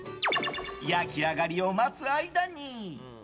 焼き上がりを待つ間に。